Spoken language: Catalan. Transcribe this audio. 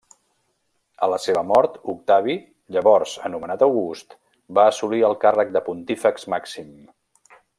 A la seva mort, Octavi, llavors anomenat August, va assolir el càrrec de Pontífex Màxim.